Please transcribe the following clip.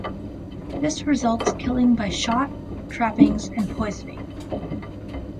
This results killing by shot, trappings, and poisoning.